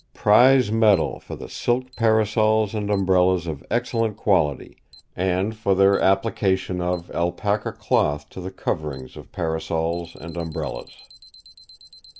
Prize Medal for Silk Parasols and Umbrellas of excellent quality, 'and for their application of Alpaca cloth to the coverings of Parasols and Umbrellas."